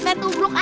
main tubruk aja